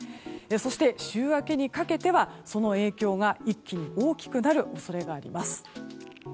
そして週明けにかけてはその影響が一気に大きくなる恐れがあります。